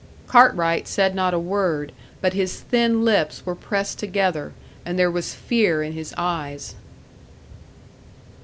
Cartwright said not a word; but his thin lips were pressed together, and there was fear in his eyes.